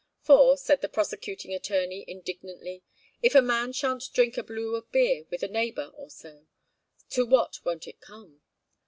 'For,' said the prosecuting attorney indignantly, 'if a man shan't drink a blue of beer with a neighbour or so, to what won't it come?'